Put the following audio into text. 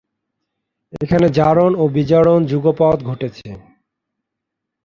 এখানে জারণ ও বিজারণ যুগপৎ ঘটেছে।